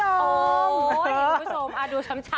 อ๋อดีครับผู้ชมดูช้ำ